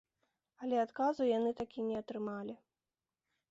Але адказу яны так і не атрымалі.